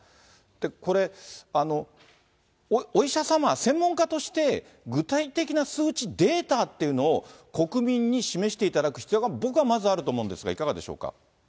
これ、お医者様、専門家として、具体的な数値、データっていうのを国民に示していただく必要が、僕はまずあるとそうですね。